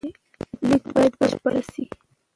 لیک باید بشپړ سي.